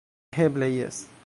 - Eble, jes!